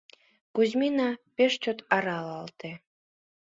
Кузьмина пеш чот аралалте...